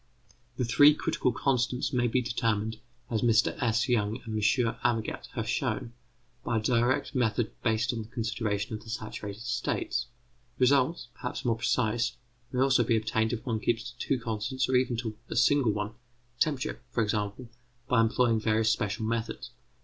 The three critical constants may be determined, as Mr S. Young and M. Amagat have shown, by a direct method based on the consideration of the saturated states. Results, perhaps more precise, may also be obtained if one keeps to two constants or even to a single one temperature, for example by employing various special methods.